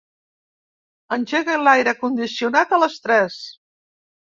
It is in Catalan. Engega l'aire condicionat a les tres.